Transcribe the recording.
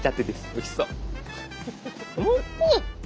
おいしい！